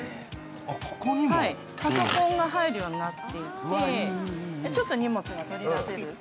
パソコンが入るようになっていて、ちょっと荷物が取り出せる。